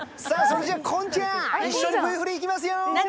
それじゃ、近ちゃん、一緒にＶ振りいきますよ。